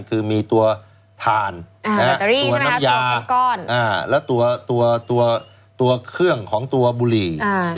คือมีตัวถ่านตัวน้ำยาและตัวเครื่องของตัวบุหรี่